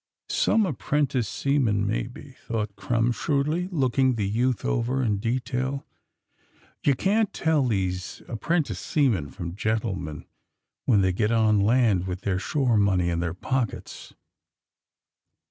^^ ''Some apprentice seaman, maybe, '^ thought Krumm shrewdly, looking the youth over in de tail. ''Ye can't tell these apprentice seamen from gentlemen when they get on land with their shore money in their pockets."